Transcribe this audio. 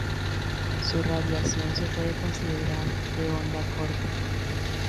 Su radiación se puede considerar de onda corta.